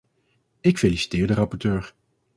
Ik feliciteer de rapporteur.